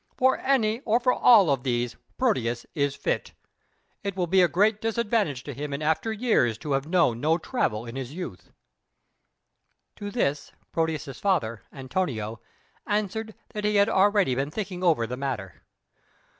For any or for all of these Proteus is fit. It will be a great disadvantage to him in after years to have known no travel in his youth." To this Proteus's father, Antonio, answered that he had already been thinking over the matter.